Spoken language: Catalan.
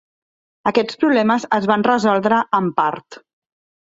Aquests problemes es van resoldre en part.